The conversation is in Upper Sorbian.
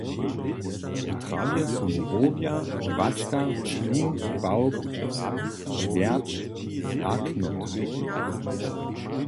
W trawje su mrowja, wačka, šlink, pawk, šwjerč a knot.